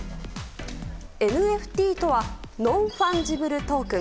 ＮＦＴとはノンファンジブルトークン。